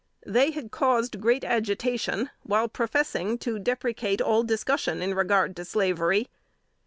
They had caused great agitation, while professing to deprecate all discussion in regard to slavery.